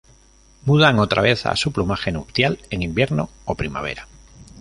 Mudan otra vez a su plumaje nupcial en invierno o primavera.